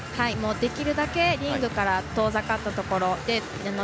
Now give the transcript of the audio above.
できるだけリングから遠ざかったところ。